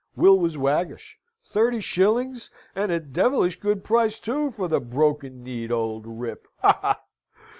Will was waggish. "Thirty shillings? and a devilish good price, too, for the broken kneed old rip. Ha, ha!"